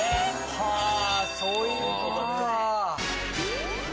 はぁそういうことか。